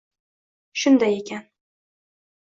Shunday ekan.